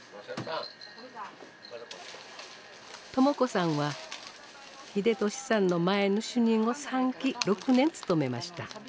朝子さんは秀俊さんの前の主任を３期６年務めました。